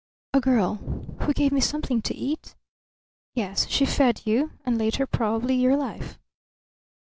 "A girl who gave me something to eat?" "Yes. She fed you, and later probably your life."